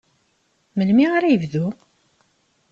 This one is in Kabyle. Melmi ara yebdu?